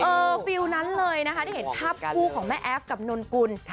ฟิลล์นั้นเลยนะคะได้เห็นภาพคู่ของแม่แอฟกับนนกุล